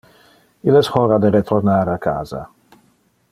Il es hora de retornar a casa.